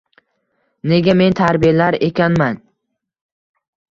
Nega men tarbiyalar ekanman